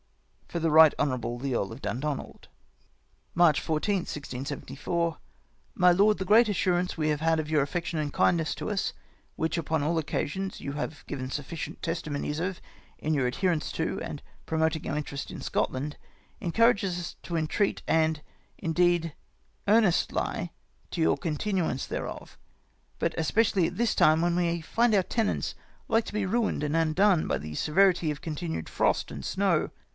" For the Ri2:bt Hou. the Earl of Dundonald." " March 14th, 1674. "My Lord, — The great assurance we have had of your affection and kindness to us, which upon all occasions you have given sufficient testimonies of in your adherence to and promoting our interest in Scotland, encourages us to entreat and, indeed, earnestlie to desire your continuance thereof, but especially at this time, when we find our tenants like to be ruined and undone by the severity of continued frost and snow.